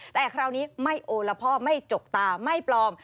แต่คราวนี้ไม่โอละพ่อไม่จกตาไม่ปลอม